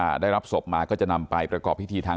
จน๘โมงเช้าวันนี้ตำรวจโทรมาแจ้งว่าพบเป็นศพเสียชีวิตแล้ว